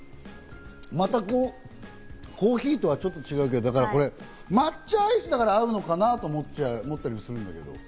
また、コーヒーとはちょっと違うけど、抹茶アイスだから合うのかなって、思ったりもするんだけど。